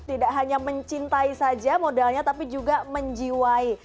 tidak hanya mencintai saja modalnya tapi juga menjiwai